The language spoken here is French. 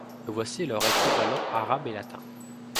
Voici leurs équivalents arabes et latins.